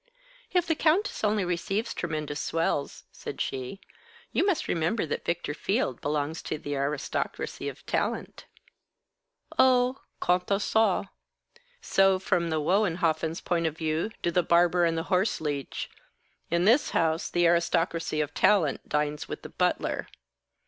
"If the Countess only receives tremendous swells," said she, "you must remember that Victor Field belongs to the Aristocracy of Talent." "Oh, quant à ça, so, from the Wohenhoffens' point of view, do the barber and the horse leech. In this house, the Aristocracy of Talent dines with the butler."